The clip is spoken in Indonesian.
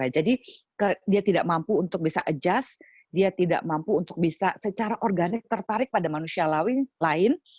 jadi dia tidak mampu untuk bisa adjust dia tidak mampu untuk bisa secara organik tertarik pada manusia lain